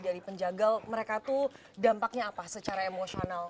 dari penjaga mereka tuh dampaknya apa secara emosional